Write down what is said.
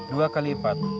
dua kali lipat